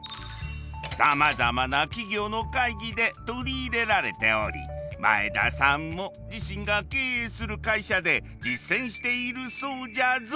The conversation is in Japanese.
さまざまな企業の会議で取り入れられており前田さんも自身が経営する会社で実践しているそうじゃぞ。